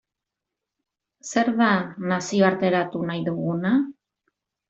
Zer da nazioarteratu nahi duguna?